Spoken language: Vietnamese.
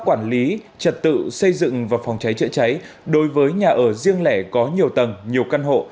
quản lý trật tự xây dựng và phòng cháy chữa cháy đối với nhà ở riêng lẻ có nhiều tầng nhiều căn hộ